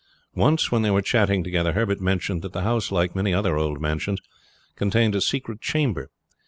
Once when they were chatting together Herbert mentioned that the house like many other old mansions contained a secret chamber.